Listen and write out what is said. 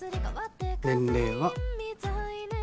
年齢は。